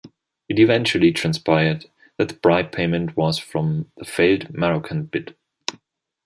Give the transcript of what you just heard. It eventually transpired that the bribe payment was from the failed Moroccan bid.